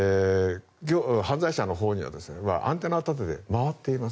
犯罪者のほうはアンテナを立てて回っています。